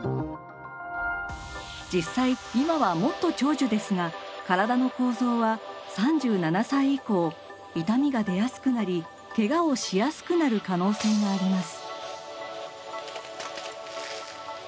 実際今はもっと長寿ですが体の構造は３７歳以降痛みが出やすくなりけがをしやすくなる可能性があります。